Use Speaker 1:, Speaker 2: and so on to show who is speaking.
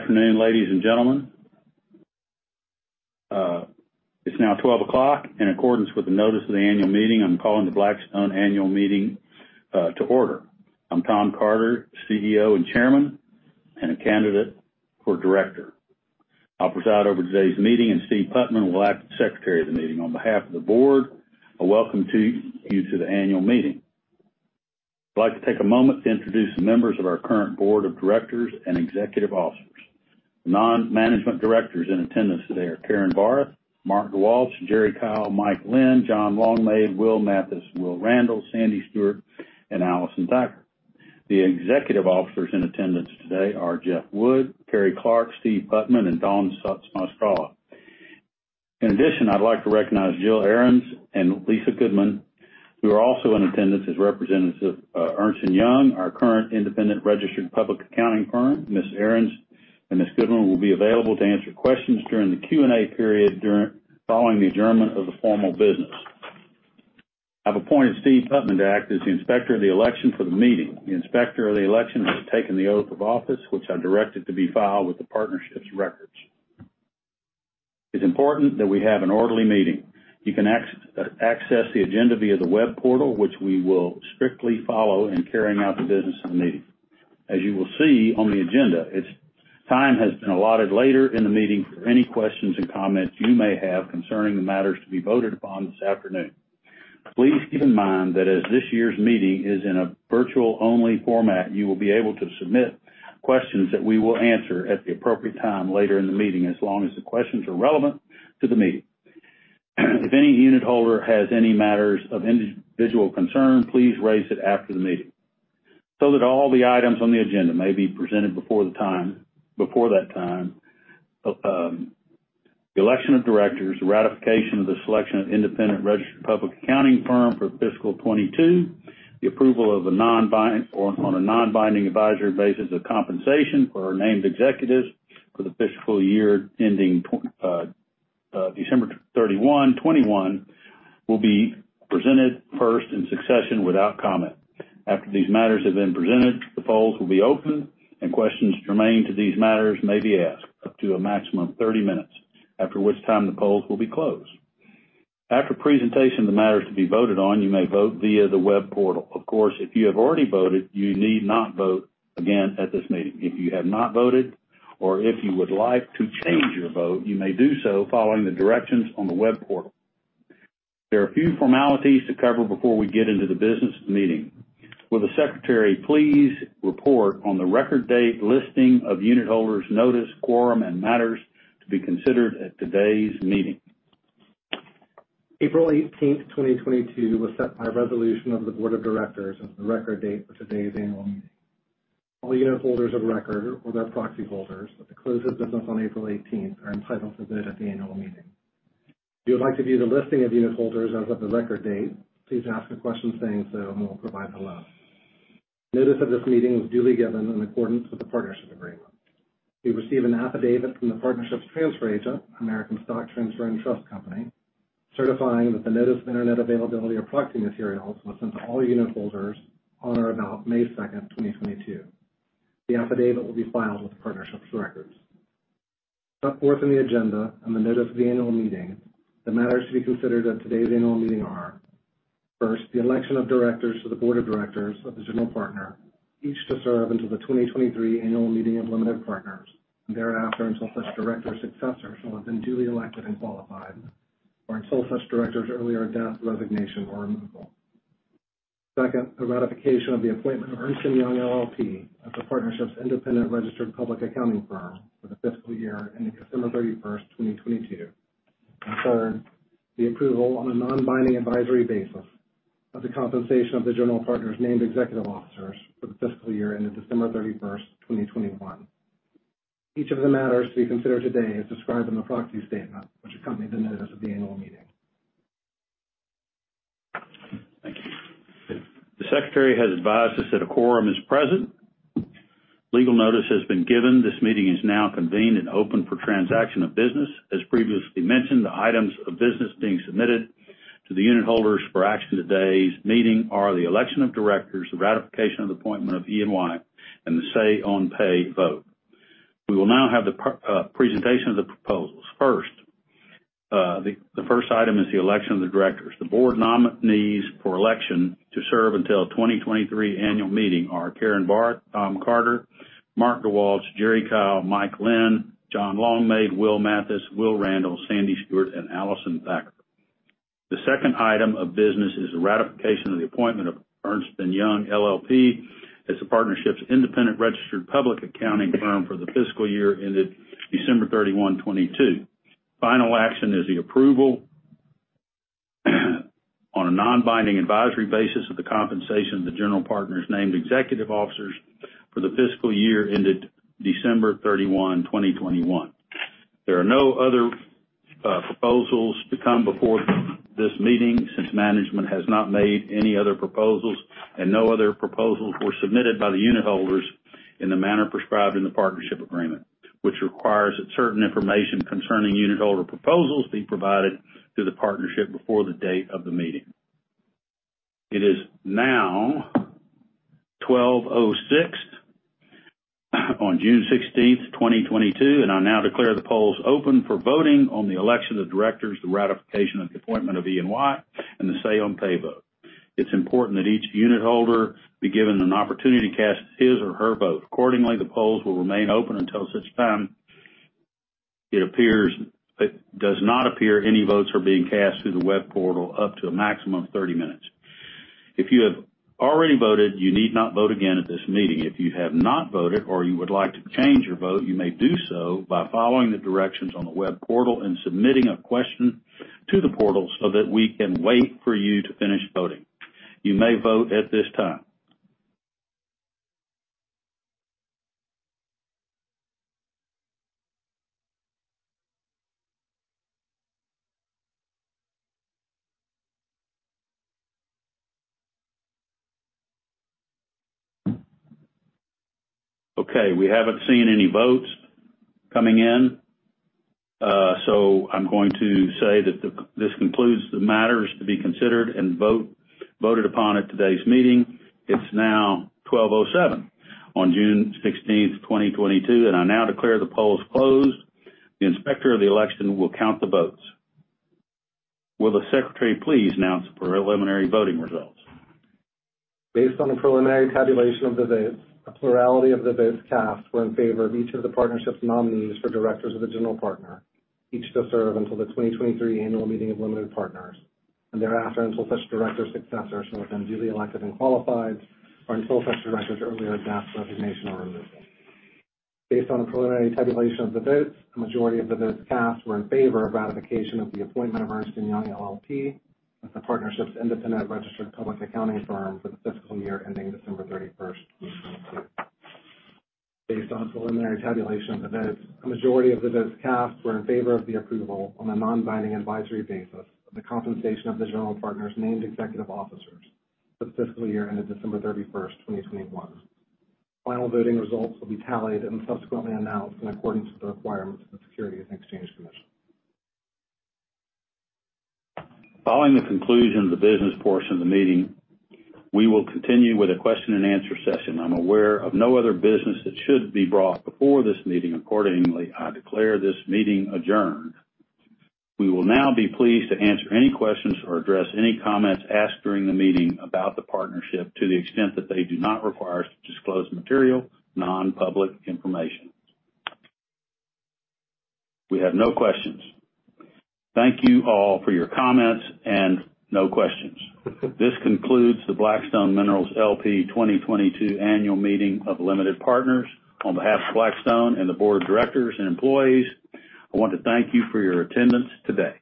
Speaker 1: Afternoon, ladies and gentlemen. It's now 12:00 P.M. In accordance with the notice of the annual meeting, I'm calling the Blackstone Minerals annual meeting to order. I'm Thom Carter, CEO and Chairman, and a candidate for director. I'll preside over today's meeting, and Steve Putman will act as Secretary of the meeting. On behalf of the board, a welcome to you to the annual meeting. I'd like to take a moment to introduce the members of our current board of directors and executive officers. Non-management directors in attendance today are Carin Barth, Mark DeWalch, Jerry Kyle, Mike Linn, John Longmaid, Will Mathis, Will Randall, Sandy Stuart, and Allison Thacker. The executive officers in attendance today are Jeff Wood, Carrie Clark, Steve Putman, and Taylor DeWalch. In addition, I'd like to recognize Jill Ahrens and Lisa Goodman, who are also in attendance as representatives of Ernst & Young, our current independent registered public accounting firm. Ms. Ahrens and Ms. Goodman will be available to answer questions during the Q&A period following the adjournment of the formal business. I've appointed Steve Putman to act as the Inspector of the Election for the meeting. The Inspector of the Election has taken the oath of office, which I've directed to be filed with the partnership's records. It's important that we have an orderly meeting. You can access the agenda via the web portal, which we will strictly follow in carrying out the business of the meeting. As you will see on the agenda, it's. Time has been allotted later in the meeting for any questions or comments you may have concerning the matters to be voted upon this afternoon. Please keep in mind that as this year's meeting is in a virtual-only format, you will be able to submit questions that we will answer at the appropriate time later in the meeting, as long as the questions are relevant to the meeting. If any unitholder has any matters of individual concern, please raise it after the meeting so that all the items on the agenda may be presented before that time. The election of directors, the ratification of the selection of independent registered public accounting firm for fiscal 2022, the approval of a non-binding advisory basis of compensation for our named executives for the fiscal year ending December 31, 2021 will be presented first in succession without comment. After these matters have been presented, the polls will be open and questions germane to these matters may be asked, up to a maximum of 30 minutes, after which time the polls will be closed. After presentation of the matters to be voted on, you may vote via the web portal. Of course, if you have already voted, you need not vote again at this meeting. If you have not voted or if you would like to change your vote, you may do so following the directions on the web portal. There are a few formalities to cover before we get into the business of the meeting. Will the Secretary please report on the record date listing of unitholders notice quorum and matters to be considered at today's meeting?
Speaker 2: April 18th, 2022 was set by resolution of the board of directors as the record date for today's annual meeting. All unitholders of record or their proxy holders at the close of business on April 18 are entitled to vote at the annual meeting. If you would like to view the listing of unitholders as of the record date, please ask a question saying so, and we'll provide the list. Notice of this meeting was duly given in accordance with the partnership agreement. We received an affidavit from the partnership's transfer agent, American Stock Transfer & Trust Company, certifying that the notice of Internet availability of proxy materials was sent to all unitholders on or about May 2nd, 2022. The affidavit will be filed with the partnership's records. Set forth in the agenda and the notice of the annual meeting, the matters to be considered at today's annual meeting are, first, the election of directors to the board of directors of the general partner, each to serve until the 2023 annual meeting of limited partners, and thereafter until such director's successor shall have been duly elected and qualified or until such director's earlier death, resignation, or removal. Second, the ratification of the appointment of Ernst & Young LLP as the partnership's independent registered public accounting firm for the fiscal year ending December 31st, 2022. Third, the approval on a non-binding advisory basis of the compensation of the general partner's named executive officers for the fiscal year ending December 31st, 2021. Each of the matters to be considered today is described in the proxy statement which accompanied the notice of the annual meeting.
Speaker 1: Thank you. The Secretary has advised us that a quorum is present. Legal notice has been given. This meeting is now convened and open for transaction of business. As previously mentioned, the items of business being submitted to the unitholders for action at today's meeting are the election of directors, the ratification of the appointment of E&Y, and the Say on Pay vote. We will now have the presentation of the proposals. First, the first item is the election of the directors. The board nominees for election to serve until 2023 annual meeting are Carin Barth, Thom Carter, Mark DeWalch, Jerry Kyle, Mike Linn, John Longmaid, Will Mathis, Will Randall, Sandy Stuart, and Allison Thacker. The second item of business is the ratification of the appointment of Ernst & Young LLP as the partnership's independent registered public accounting firm for the fiscal year ended December 31, 2022. Final action is the approval on a non-binding advisory basis of the compensation of the general partner's named executive officers for the fiscal year ended December 31, 2021. There are no other proposals to come before this meeting since management has not made any other proposals and no other proposals were submitted by the unitholders in the manner prescribed in the partnership agreement, which requires that certain information concerning unitholder proposals be provided to the partnership before the date of the meeting. It is now 12:06 on June 16th, 2022, and I now declare the polls open for voting on the election of directors, the ratification of the appointment of E&Y, and the Say on Pay vote. It's important that each unitholder be given an opportunity to cast his or her vote. Accordingly, the polls will remain open until such time it does not appear any votes are being cast through the web portal up to a maximum of 30 minutes. If you have already voted, you need not vote again at this meeting. If you have not voted or you would like to change your vote, you may do so by following the directions on the web portal and submitting a question to the portal so that we can wait for you to finish voting. You may vote at this time. Okay, we haven't seen any votes coming in, so I'm going to say that this concludes the matters to be considered and voted upon at today's meeting. It's now 12:07 on June 16th, 2022, and I now declare the polls closed. The Inspector of the Election will count the votes. Will the secretary please announce the preliminary voting results?
Speaker 2: Based on the preliminary tabulation of the votes, a plurality of the votes cast were in favor of each of the partnership's nominees for directors of the general partner, each to serve until the 2023 annual meeting of limited partners and thereafter until such director successors shall have been duly elected and qualified or until such director's earlier death, resignation, or removal. Based on the preliminary tabulation of the votes, a majority of the votes cast were in favor of ratification of the appointment of Ernst & Young LLP as the partnership's independent registered public accounting firm for the fiscal year ending December 31st, 2022. Based on the preliminary tabulation of the votes, a majority of the votes cast were in favor of the approval on a non-binding advisory basis of the compensation of the general partner's named executive officers for the fiscal year ended December 31st, 2021. Final voting results will be tallied and subsequently announced in accordance with the requirements of the Securities and Exchange Commission.
Speaker 1: Following the conclusion of the business portion of the meeting, we will continue with a question-and-answer session. I'm aware of no other business that should be brought before this meeting. Accordingly, I declare this meeting adjourned. We will now be pleased to answer any questions or address any comments asked during the meeting about the partnership to the extent that they do not require us to disclose material non-public information. We have no questions. Thank you all for your comments and no questions. This concludes the Black Stone Minerals, L.P. 2022 annual meeting of limited partners. On behalf of Black Stone Minerals and the board of directors and employees, I want to thank you for your attendance today.